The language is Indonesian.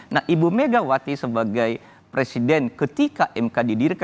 nah ibu megawati sebagai presiden ketika mk didirikan